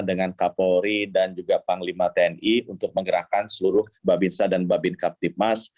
dengan kapolri dan juga panglima tni untuk menggerakkan seluruh babinsa dan babin kaptipmas